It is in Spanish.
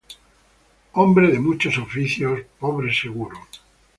Hombre de muchos oficios, pobre seguro.